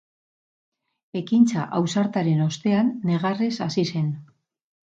Ekintza ausartaren ostean, negarrez hasi zen.